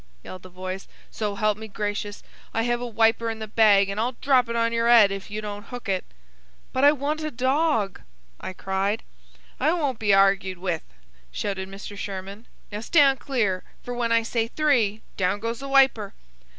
yelled the voice. "So help me gracious, I have a wiper in the bag, an' I'll drop it on your 'ead if you don't hook it." "But I want a dog," I cried. "I won't be argued with!" shouted Mr. Sherman. "Now stand clear, for when I say 'three,' down goes the wiper."